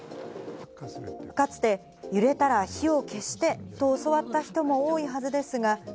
かつて、揺れたら火を消してと教わった人も多いはずですが。